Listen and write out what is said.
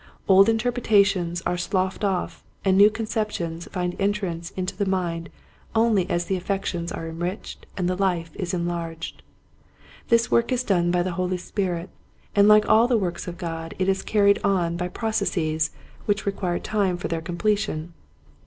Old interpretations are sloughed off and new conceptions find entrance into the mind only as the affections are enriched and the life is enlarged. This work is done by the Holy Spirit and like all the work of God it is carried on by processes which require time for their completion.